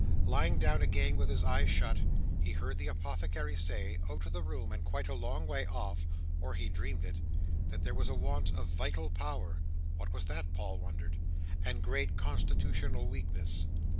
Lying down again with his eyes shut, he heard the Apothecary say, out of the room and quite a long way off—or he dreamed it—that there was a want of vital power (what was that, Paul wondered!) and great constitutional weakness.